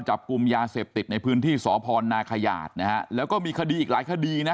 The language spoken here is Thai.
จับกลุ่มยาเสพติดในพื้นที่สพนาขยาดนะฮะแล้วก็มีคดีอีกหลายคดีนะ